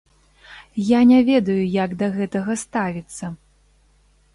Я не ведаю, як да гэтага ставіцца.